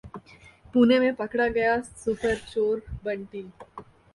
पुणे में पकड़ा गया सुपरचोर 'बंटी'